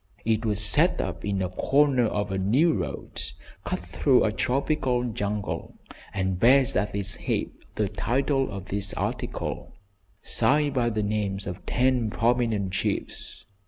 It was set up at the corner of a new road, cut through a tropical jungle, and bears at its head the title of this article, signed by the names of ten prominent chiefs.